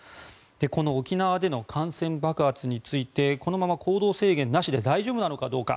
この沖縄での感染爆発についてこのまま行動制限なしで大丈夫なのかどうか。